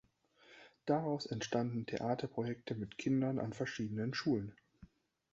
Daraus entstanden Theaterprojekte mit Kindern an verschiedenen Schulen.